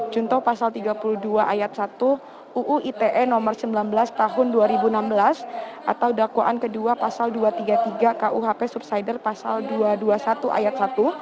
junto pasal tiga puluh dua ayat satu uu ite nomor sembilan belas tahun dua ribu enam belas atau dakwaan kedua pasal dua ratus tiga puluh tiga kuhp subsider pasal dua ratus dua puluh satu ayat satu